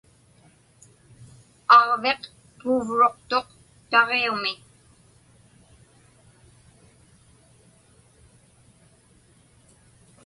Aġviq puuvruqtuq taġiumi.